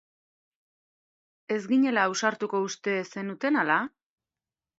Ez ginela ausartuko uste zenuten ala?